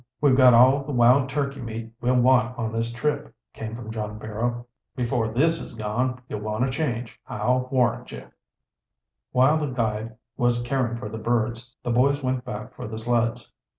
"We've got all the wild turkey meat we'll want on this trip," came from John Barrow. "Before this is gone, you'll want a change, I'll warrant you." While the guide was caring for the birds the boys went back for the sleds.